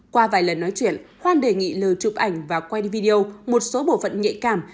khi nói chuyện hoan đề nghị l chụp ảnh và quay đi video một số bộ phận nhạy cảm